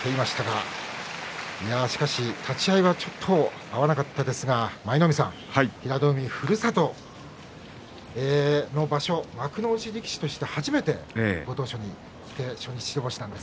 立ち合いはちょっと合わなかったですが舞の海さん、平戸海、ふるさとの場所幕内力士として初めてご当所、初日白星でした。